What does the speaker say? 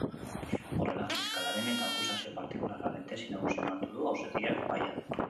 Horrela, fiskalaren eta akusazio partikularraren tesi nagusia onartu du auzitegiak epaian.